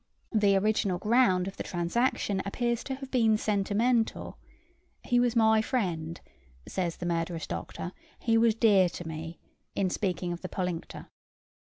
The original ground of the transaction appears to have been sentimental: 'He was my friend,' says the murderous doctor; 'he was dear to me,' in speaking of the pollinctor.